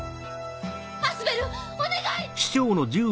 アスベルお願い！